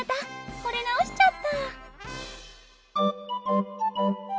ほれ直しちゃった。